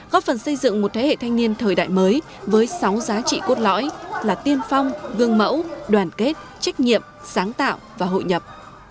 góp phần xây dựng một thế hệ thanh niên thời đại mới với sáu giá trị cốt lõi là tiên phong gương mẫu đoàn kết trách nhiệm sáng tạo và hội nhập